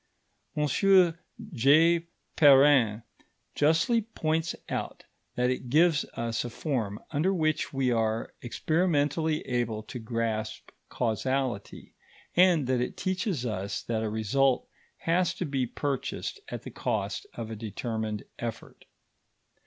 M.J. Perrin justly points out that it gives us a form under which we are experimentally able to grasp causality, and that it teaches us that a result has to be purchased at the cost of a determined effort.